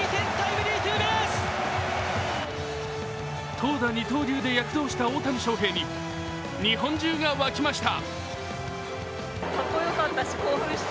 投打二刀流で躍動した大谷翔平に日本中が沸きました。